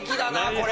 これ。